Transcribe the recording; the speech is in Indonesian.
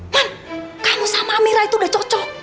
man kamu sama amirah itu udah cocok